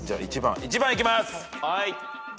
１番いきます！